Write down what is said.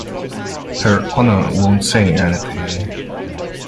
Her Honor won't say anything.